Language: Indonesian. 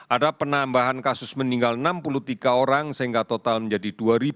ada penambahan kasus meninggal enam puluh tiga orang sehingga total menjadi dua tiga ratus tiga puluh sembilan